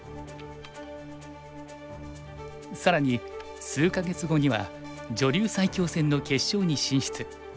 更に数か月後には女流最強戦の決勝に進出。